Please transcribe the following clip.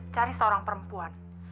cari seorang perempuan